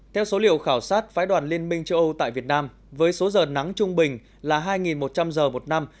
theo số liệu khảo sát phái đoàn liên minh châu âu tại việt nam với số giờ nắng trung bình là hai một trăm linh giờ một năm